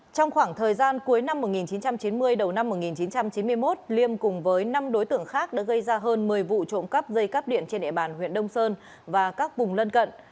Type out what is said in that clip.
trong khoảng thời gian cuối năm một nghìn chín trăm chín mươi đầu năm một nghìn chín trăm chín mươi một liêm cùng với năm đối tượng khác đã gây ra hơn một mươi vụ trộm cắp dây cắp điện trên địa bàn huyện đông sơn và các vùng lân cận